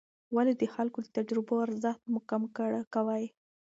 ولې د خلکو د تجربو ارزښت مه کم کوې؟